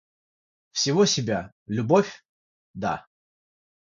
Всего себя, любовь... да.